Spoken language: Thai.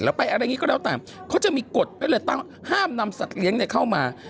ไปอะไรอย่างนี้ก็แล้วแต่เขาจะมีกฎไว้เลยตั้งห้ามนำสัตว์เลี้ยงเข้ามา